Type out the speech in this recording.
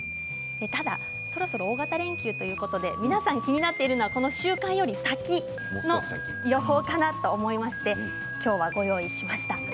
ただそろそろ大型連休ということで皆さん気になっているのはこの週間より先の予報かなと思いましてきょうはご用意しました。